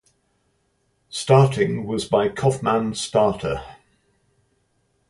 Starting was by Coffman starter.